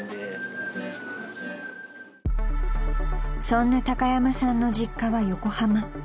［そんな高山さんの実家は横浜］